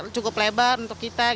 cukup lebar untuk kita